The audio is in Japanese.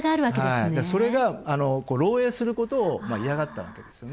それが漏えいすることを嫌がったわけですよね。